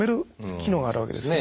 機能があるわけですね。